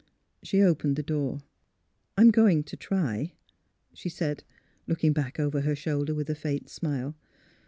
She opened the door. "I'm going to try," she said, looking back over her shoulder with a faint smile.